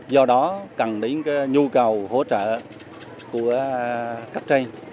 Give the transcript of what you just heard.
do đó cần đến nhu cầu hỗ trợ của khách trên